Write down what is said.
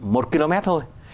một km thôi